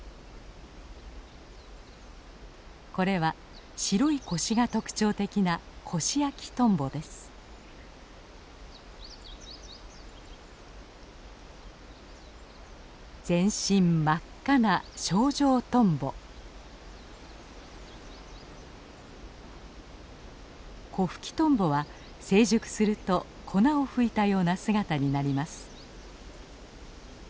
これは白い腰が特徴的な全身真っ赤なコフキトンボは成熟すると粉をふいたような姿になります。